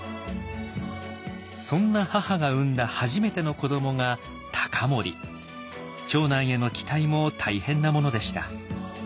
そんな母が産んだ初めての子どもが長男への期待も大変なものでした。